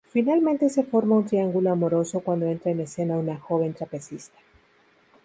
Finalmente se forma un triángulo amoroso cuando entra en escena una joven trapecista.